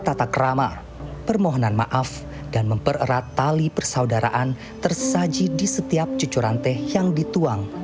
tata kerama permohonan maaf dan mempererat tali persaudaraan tersaji di setiap cucuran teh yang dituang